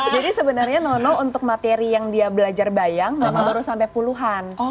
jadi sebenarnya nono untuk materi yang dia belajar bayang nono baru sampai puluhan